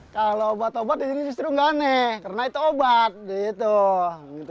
kalau obat obat ini justru enggak aneh karena itu obat